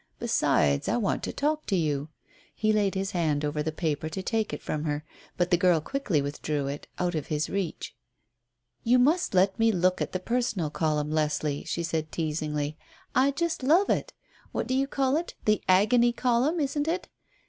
"Besides, I want to talk to you." He laid his hand upon the paper to take it from her. But the girl quickly withdrew it out of his reach. "You must let me look at the personal column, Leslie," she said teasingly, "I just love it. What do you call it? The 'Agony' column, isn't it?"